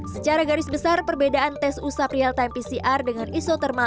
secara garis besar perbedaan tes usap real time pcr dengan isotermal